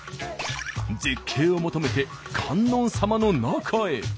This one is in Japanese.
絶景を求めて観音様の中へ。